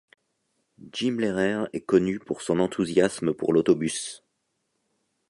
Jim Lehrer est connu pour son enthousiasme pour l'autobus.